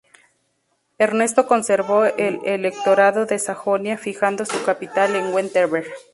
Ernesto conservó el Electorado de Sajonia, fijando su capital en Wittenberg.